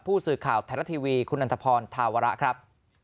ผู้สื่อข่าวไทยรัฐทีวีคุณนันทพรธาวระครับ